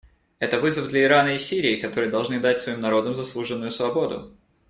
Это вызов для Ирана и Сирии, которые должны дать своим народам заслуженную свободу.